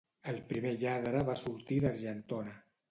El primer lladre va sortir d'Argentona.